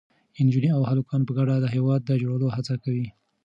نجونې او هلکان په ګډه د هېواد د جوړولو هڅه کوي.